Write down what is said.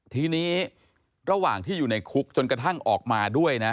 ทีนี้ระหว่างที่อยู่ในคุกจนกระทั่งออกมาด้วยนะ